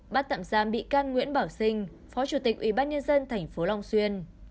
bắt tạm giam bị can nguyễn bảo sinh phó chủ tịch ủy ban nhân dân tp long xuyên